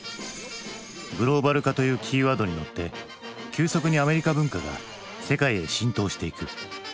グローバル化というキーワードに乗って急速にアメリカ文化が世界へ浸透していく。